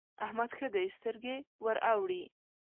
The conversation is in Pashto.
احمد ښه دی؛ سترګې ور اوړي.